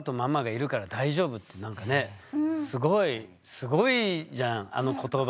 すごいじゃんあの言葉。